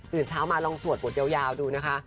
เช้ามาลองสวดบทยาวดูนะคะ